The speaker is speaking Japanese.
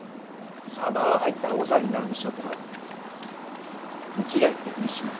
サーバーは入ったら大騒ぎになるでしょうけど手違いってふりします。